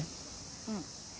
うん。